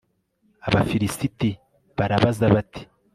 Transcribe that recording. abafilisiti barabaza bati